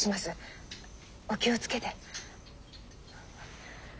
お気を付けて。